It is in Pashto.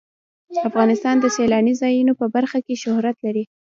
افغانستان د سیلاني ځایونو په برخه کې شهرت لري.